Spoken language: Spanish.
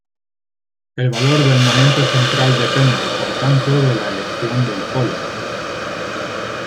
El valor del momento central depende, por tanto, de la elección del polo.